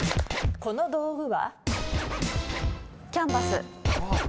この道具は？